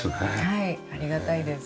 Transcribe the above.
はいありがたいです。